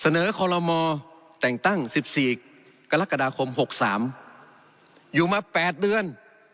คอลโลมอแต่งตั้ง๑๔กรกฎาคม๖๓อยู่มา๘เดือน